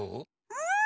うん！